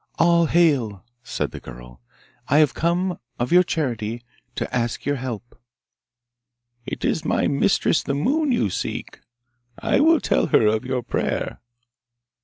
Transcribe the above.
'All hail!' said the girl. 'I have come, of your charity, to ask your help!' 'It is my mistress, the Moon, you seek. I will tell her of your prayer.